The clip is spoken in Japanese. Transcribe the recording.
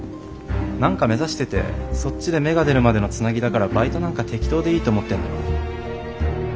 何か目指しててそっちで芽が出るまでのつなぎだからバイトなんか適当でいいと思ってるんだろ。